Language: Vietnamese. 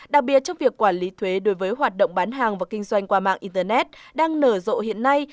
đặc biệt trong việc quản lý thuế đối với hoạt động bán hàng và kinh doanh qua mạng internet đang nở rộ hiện nay